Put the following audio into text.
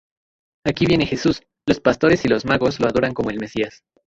Aquí viene Jesús, los pastores y los magos lo adoran como el Mesías.